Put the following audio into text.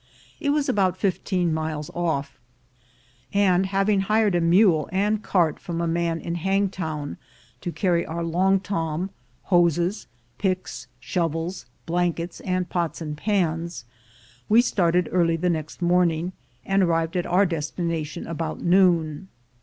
It was about fifteen miles off; and having hired a mule and cart from a man in Hangtown to carry our long torn, hoses, picks, shovels, blankets, and pot and pans, we started early the next morning, and arrived at our destination about noon.